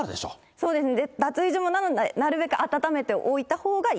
そうですね、脱衣所もなので、なるべく暖めておいたほうがいい。